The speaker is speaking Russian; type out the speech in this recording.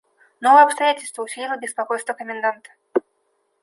Новое обстоятельство усилило беспокойство коменданта.